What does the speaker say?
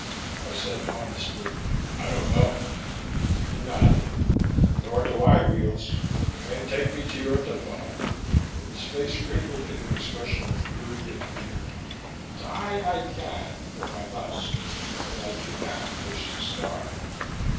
I said honestly, "I don't know." He nodded. "Nor do I, Weels. Take me then to your Defoe." His face wrinkled in an expression of fury and fear. "Die I can, if I must, but I do not wish to starve.